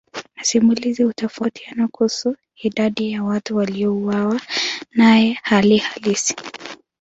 Masimulizi hutofautiana kuhusu idadi ya watu waliouawa naye hali halisi.